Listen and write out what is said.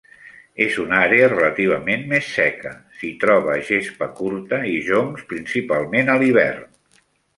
En una àrea relativament més seca s'hi troba gespa curta i joncs, principalment a l'hivern.